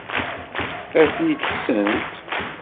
Ad ten-id-kksent?